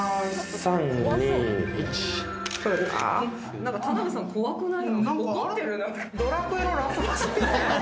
なんか田辺さん怖くない？